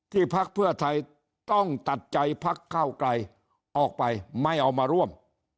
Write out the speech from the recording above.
พักเพื่อไทยต้องตัดใจพักเก้าไกลออกไปไม่เอามาร่วม